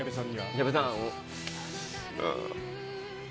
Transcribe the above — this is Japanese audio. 矢部さん。